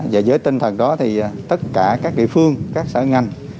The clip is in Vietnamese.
và với tinh thần đó thì tất cả các địa phương các sở ngành